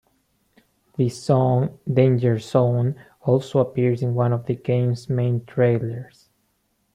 The song "Danger Zone" also appears in one of the game's main trailers.